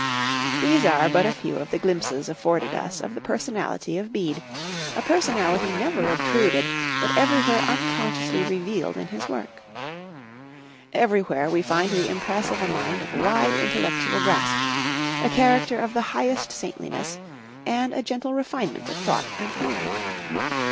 These are but a few of the glimpses afforded us of the personality of Bede, a personality never obtruded, but everywhere unconsciously revealed in his work. Everywhere we find the impress of a mind of wide intellectual grasp, a character of the highest saintliness, and a gentle refinement of thought and feeling.